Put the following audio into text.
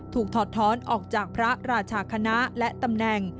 ถอดท้อนออกจากพระราชาคณะและตำแหน่ง